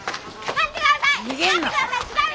待ってください！